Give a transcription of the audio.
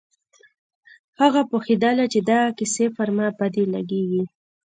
هغه پوهېدله چې دغه کيسې پر ما بدې لگېږي.